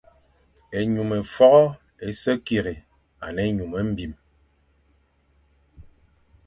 Ényum fôʼô é se kig a ne ényum mbim.